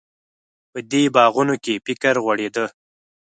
په دې باغونو کې فکر غوړېده.